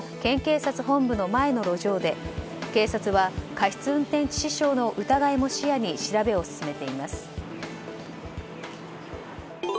現場は県警察本部前の路上で警察は過失運転致死傷の疑いも視野に調べを進めています。